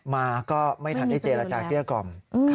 มาก็ไม่ทันได้เจรจาเกลี้ยกล่อม